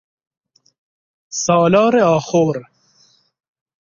سالار آخور